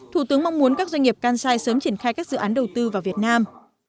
thủ tướng mong muốn các doanh nghiệp kansai sớm triển khai các dự án đầu tư vào việt nam